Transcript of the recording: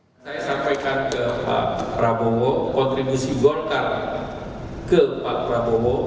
saya sampaikan ke pak prabowo kontribusi golkar ke pak prabowo